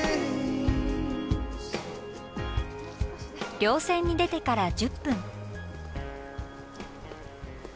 稜線に出てから１０分。